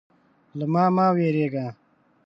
_له ما مه وېرېږه.